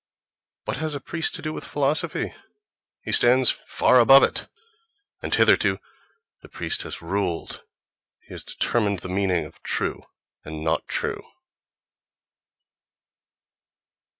What has a priest to do with philosophy! He stands far above it!—And hitherto the priest has ruled!—He has determined the meaning of "true" and "not true"!...